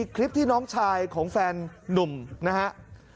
คลิปที่น้องชายของแฟนนุ่มนะครับ